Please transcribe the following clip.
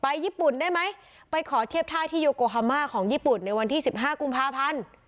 ญี่ปุ่นได้ไหมไปขอเทียบท่าที่โยโกฮามาของญี่ปุ่นในวันที่สิบห้ากุมภาพันธ์